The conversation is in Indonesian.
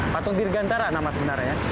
patung dirgantara nama sebenarnya